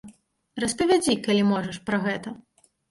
Распавядзі, калі можаш, пра гэта.